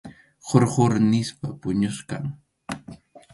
Qhur qhur nispam puñuchkan.